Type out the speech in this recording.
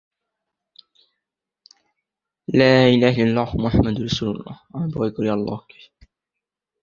অতঃপর বন্য প্রাণীটি এ ফাঁদে আটকা পড়ে।